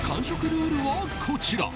ルールはこちら。